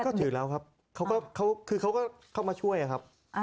ก็ถือแล้วครับเขาก็มาช่วยครับ